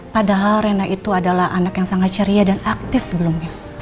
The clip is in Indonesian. padahal rena itu adalah anak yang sangat ceria dan aktif sebelumnya